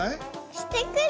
してくる。